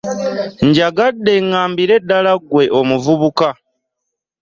Njagadde ŋŋambire ddala ggwe omuvubuka.